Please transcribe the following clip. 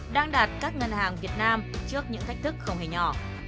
đang đạt các ngân hàng việt nam trước những thách thức không hề nhỏ